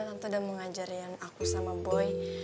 tante udah mengajarin aku sama boy